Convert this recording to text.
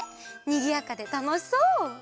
にぎやかでたのしそう！